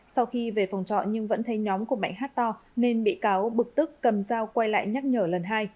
sau khi về phòng trọ nhưng vẫn thấy nhóm của mạnh hát to nên bị cáo bực tức cầm dao quay lại nhắc nhở lần hai